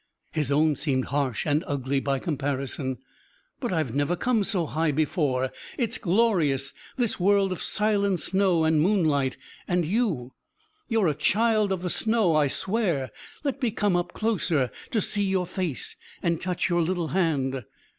His own seemed harsh and ugly by comparison. "But I have never come so high before. It's glorious! This world of silent snow and moonlight and you. You're a child of the snow, I swear. Let me come up closer to see your face and touch your little hand."